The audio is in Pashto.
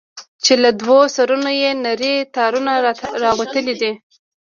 چې له دوو سرونو يې نري تارونه راوتلي دي.